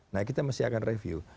nah kita mesti akan review